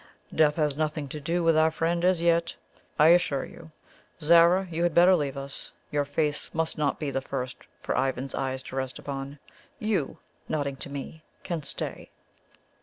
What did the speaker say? "Death has nothing to do with our friend as yet, I assure you. Zara, you had better leave us. Your face must not be the first for Ivan's eyes to rest upon. You," nodding to me, "can stay."